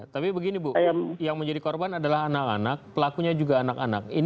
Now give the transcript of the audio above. tapi begini bu yang menjadi korban adalah anak anak pelakunya juga anak anak